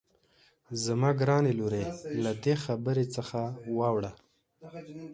زما ګرانې لورې له دې خبرې څخه واوړه.